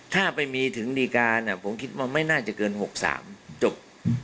ถ้าไปมีถึงดีการผมคิดว่าไม่น่าจะเกิน๖๓จบ